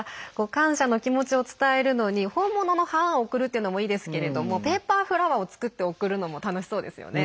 感謝の気持ちを伝えるのに本物の花を贈るっていうのもいいですけれどもペーパーフラワーを作って贈るのも楽しそうですよね。